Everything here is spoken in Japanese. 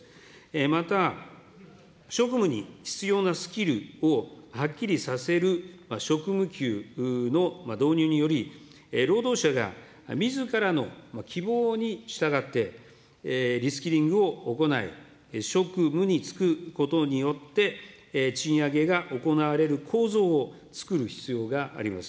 また、職務に必要なスキルをはっきりさせる職務給の導入により、労働者がみずからの希望に従って、リスキリングを行い、職務に就くことによって賃上げが行われる構造を作る必要があります。